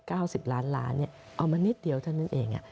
สิบล้านล้านเนี่ยเอามานิดเดียวเท่านั้นเอง